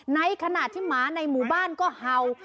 ในขณะที่หมาในหมู่บ้านก็เห่า